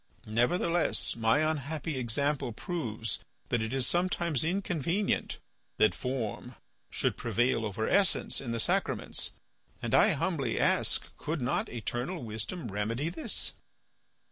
Nevertheless my unhappy example proves that it is sometimes inconvenient that form should prevail over essence in the sacraments, and I humbly ask, Could not, eternal wisdom remedy this?"